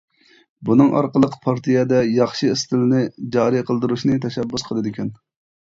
بۇنىڭ ئارقىلىق پارتىيەدە ياخشى ئىستىلنى جارى قىلدۇرۇشنى تەشەببۇس قىلىدىكەن.